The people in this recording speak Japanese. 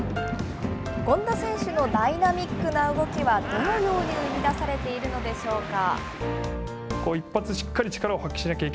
権田選手のダイナミックな動きは、どのように生み出されているのでしょうか。